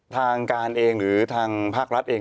ทางการเองหรือทางภาครัฐเอง